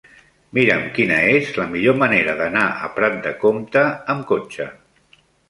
Mira'm quina és la millor manera d'anar a Prat de Comte amb cotxe.